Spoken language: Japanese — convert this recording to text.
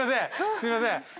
すいません。